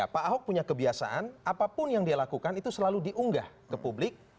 pak ahok punya kebiasaan apapun yang dia lakukan itu selalu diunggah ke publik